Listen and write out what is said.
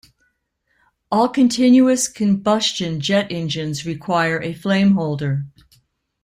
All continuous-combustion jet engines require a flame holder.